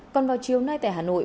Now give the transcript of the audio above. còn vào chiều nay tại hà nội